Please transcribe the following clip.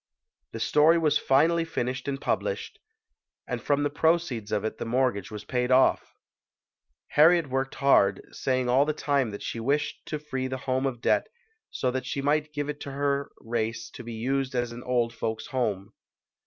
The story was finally finished and published, and from the proceeds of it the mortgage was paid off. Harriet worked hard, saying all the time that she wished to free the home of debt so that she might give it to her race to be used as an Old Folks' Home.